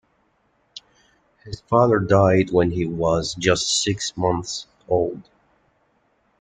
His father died when he was just six months old.